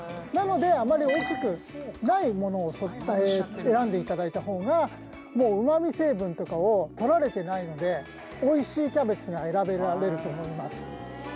なのであまり大きくないものを選んで頂いた方がうまみ成分とかを取られてないのでおいしいキャベツが選べると思います。